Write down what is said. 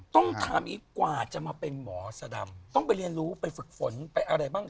ต้องถามอย่างนี้กว่าจะมาเป็นหมอสดำต้องไปเรียนรู้ไปฝึกฝนไปอะไรบ้าง